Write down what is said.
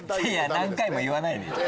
何回も言わないでよ！